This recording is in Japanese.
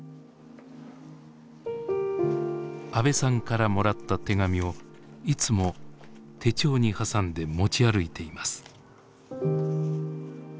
阿部さんからもらった手紙をいつも手帳に挟んで持ち歩いています。